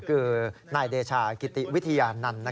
คือนายเดชากิติวิทยานันต์